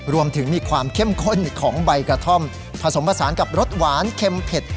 รวมถึงมีความเข้มข้นของใบกระท่อมผสมผสานกับรสหวานเค็มเผ็ด